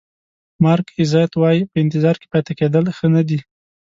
مارک ایزت وایي په انتظار کې پاتې کېدل ښه نه دي.